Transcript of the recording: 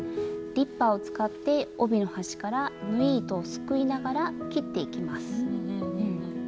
リッパーを使って帯の端から縫い糸をすくいながら切っていきます。